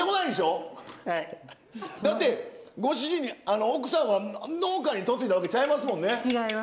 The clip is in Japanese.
だってご主人奥さんは農家に嫁いだわけちゃいますもんね。